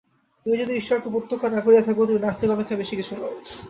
তুমি যদি ঈশ্বরকে প্রত্যক্ষ না করিয়া থাক, তুমি নাস্তিক অপেক্ষা বেশী কিছু নও।